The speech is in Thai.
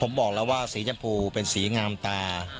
ผมบอกแล้วว่าสีชมพูเป็นสีงามตา